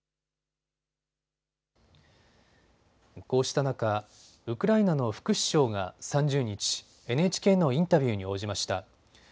こうした中、ウクライナの副首相が３０日、ＮＨＫのインタビューに応じました。